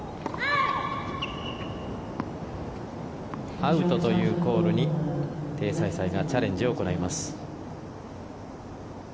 アウトというコールにテイ・サイサイがチャレンジを行います。